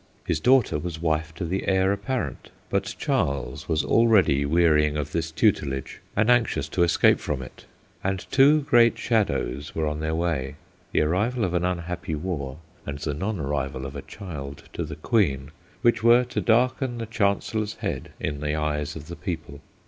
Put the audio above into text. His daughter was wife to the heir apparent. But Charles was already wearying of this tutelage, and anxious to escape from it ; and two great shadows were on their way, the arrival of an unhappy war and the non arrival of a child to the Queen, which were to darken the Chancellor's head in the eyes of the people.